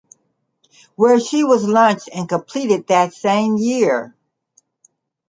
Where she was launched and completed that same year.